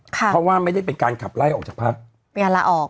เพราะว่าไม่ได้เป็นการขับไล่ออกจากพัก